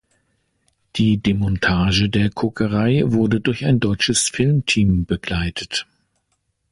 Die Demontage der Kokerei wurde durch ein deutsches Filmteam begleitet.